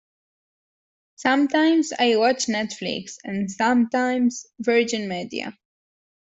Sometimes I watch Netflix, and sometimes Virgin Media.